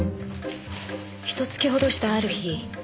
ひと月ほどしたある日。